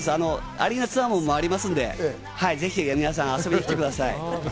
アリーナツアーも回りますんで、ぜひ皆さん遊びに来てください。